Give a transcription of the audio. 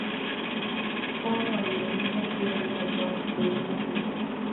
kwao walieneza pia lugha zao ikiwemo hii